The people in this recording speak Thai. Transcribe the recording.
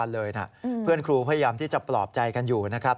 แล้วก็อยากให้เรื่องนี้จบไปเพราะว่ามันกระทบกระเทือนทั้งจิตใจของคุณครู